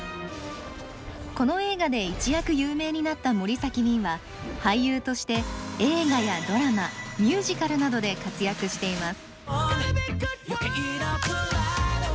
この映画で一躍有名になった森崎ウィンは俳優として映画やドラマミュージカルなどで活躍しています。